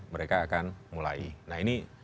mereka akan mulai nah ini